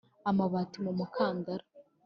amabati mu mukandara.